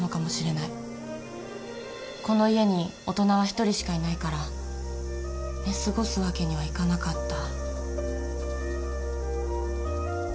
この家に大人は１人しかいないから寝過ごすわけにはいかなかった。